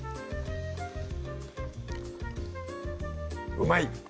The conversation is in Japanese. うまい！